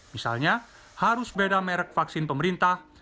misalnya harus beda merek vaksin pemerintah